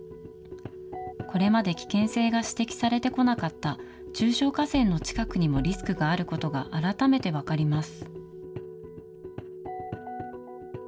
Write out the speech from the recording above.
これまで危険性が指摘されてこなかった中小河川の近くにも、リスクがあることが改めて分かります。